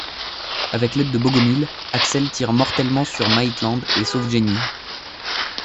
Avec l'aide de Bogomil, Axel tire mortellement sur Maitland et sauve Jenny.